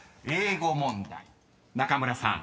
［中村さん